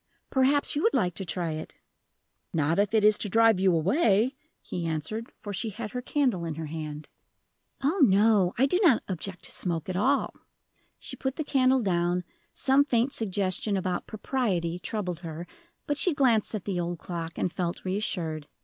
"Perhaps you would like to try it." "Not if it is to drive you away," he answered, for she had her candle in her hand. "Oh, no; I do not object to smoke at all." She put the candle down; some faint suggestion about "propriety" troubled her, but she glanced at the old clock, and felt reassured.